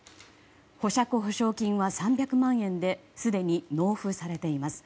保釈保証金は３００万円ですでに納付されています。